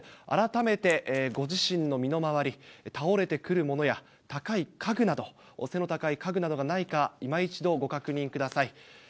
改めてご自身の身の回り、倒れてくるものや、高い家具など、背の高い家具などがないか、いま一度、ご確認ください。